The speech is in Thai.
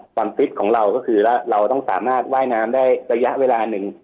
ฟิตของเราก็คือว่าเราต้องสามารถว่ายน้ำได้ระยะเวลาหนึ่ง